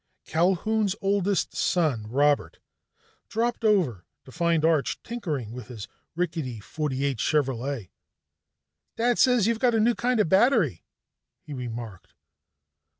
Culquhoun's oldest son Robert dropped over to find Arch tinkering with his rickety '48 Chevrolet. "Dad says you've got a new kind of battery," he remarked.